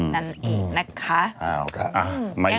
นั่นอีกนะคะ